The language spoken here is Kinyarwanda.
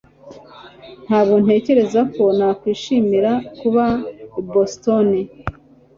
Ntabwo ntekereza ko nakwishimira kuba i Boston